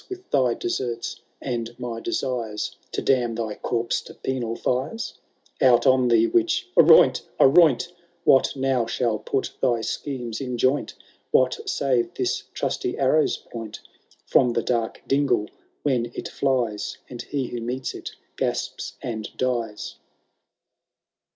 With thj deserts and my desires, To damn thy corpse to penal fires ? Out on thee, witch ! aroint ! aroint ! What now riiaU put thy schemes in joint ? What save this trusty arrow's point. From the dark dingle when it flies, And he who meets it gasps and dies."